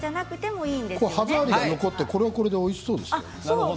歯ざわりが残ってこれはこれでおいしそうですよね。